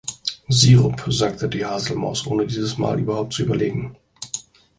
„Sirup“, sagte die Haselmaus, ohne dieses Mal überhaupt zu überlegen.